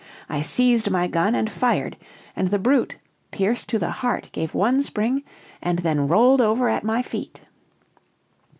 I seized my gun, and fired; and the brute, pierced to the heart, gave one spring, and then rolled over at my feet.